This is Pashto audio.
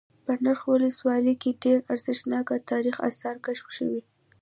په نرخ ولسوالۍ كې ډېر ارزښتناك تاريخ آثار كشف شوي